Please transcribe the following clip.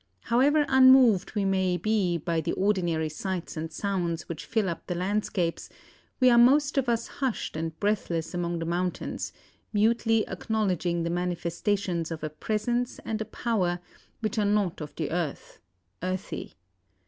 However unmoved we may be by the ordinary sights and sounds which fill up the landscapes, we are most of us hushed and breathless among the mountains, mutely acknowledging the manifestations of a Presence and a Power which are not of the earth earthy.